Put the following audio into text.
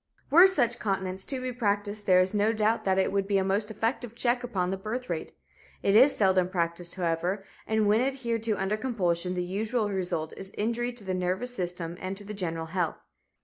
Were such continence to be practiced, there is no doubt that it would be a most effective check upon the birth rate. It is seldom practiced, however, and when adhered to under compulsion the usual result is injury to the nervous system and to the general health.